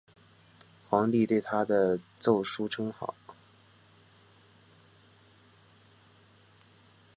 皇帝对他的奏疏称好。